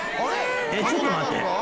えっちょっと待って。